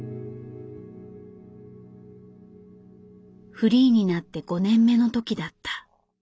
フリーになって５年目の時だった。